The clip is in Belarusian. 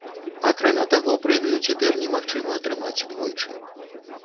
Акрамя таго, прэмію цяпер немагчыма атрымаць двойчы.